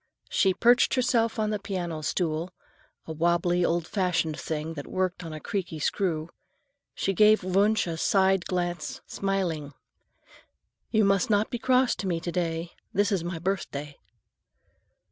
As she perched herself upon the piano stool,—a wobbly, old fashioned thing that worked on a creaky screw,—she gave Wunsch a side glance, smiling. "You must not be cross to me to day. This is my birthday."